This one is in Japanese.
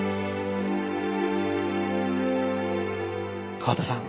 河田さん